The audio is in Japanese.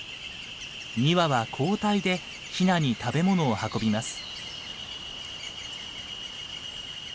２羽は交代でヒナに食べ物を運びます。